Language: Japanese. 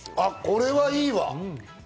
これはいいわ。